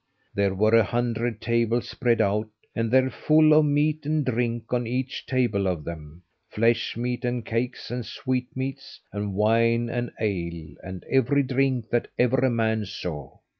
There were a hundred tables spread out, and their full of meat and drink on each table of them, flesh meat, and cakes and sweetmeats, and wine and ale, and every drink that ever a man saw.